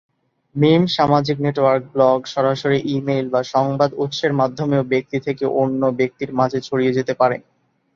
মিম সামাজিক network, blog, সরাসরি email বা সংবাদ উৎসের মাধ্যমেও ব্যক্তি থেকে অন্য ব্যক্তির মাঝে ছড়িয়ে যেতে পারে।